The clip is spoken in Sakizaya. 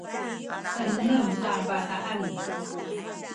enem a bataan